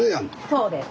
そうです。